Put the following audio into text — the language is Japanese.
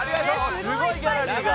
すごいギャラリーが。